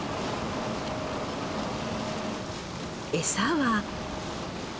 エサは